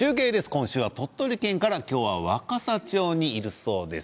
今週は鳥取県から若桜町にいるそうです。